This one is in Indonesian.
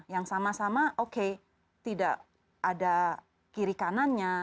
yang sama sama oke tidak ada kiri kanannya